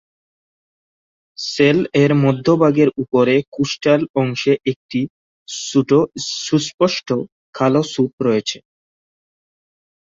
Sell এর মধ্যভাগের উপরে কোস্টাল অংশে একটি ছোট সুস্পষ্ট কালো ছোপ রয়েছে।